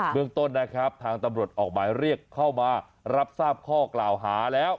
เมืองต้นนะครับทางตำรวจออกหมายเรียกเข้ามารับทราบข้อกล่าวหาแล้ว